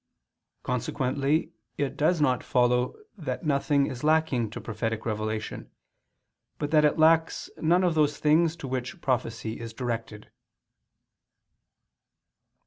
Consequently it does not follow that nothing is lacking to prophetic revelation, but that it lacks none of those things to which prophecy is directed.